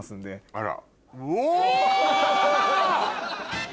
あら。